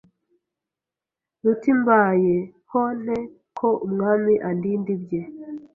ruti Mbaye ho nte ko umwami andinda ibye,